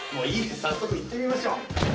早速行ってみましょう。